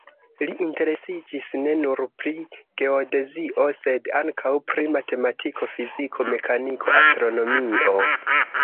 Li interesiĝis ne nur pri geodezio, sed ankaŭ pri matematiko, fiziko, mekaniko, astronomio.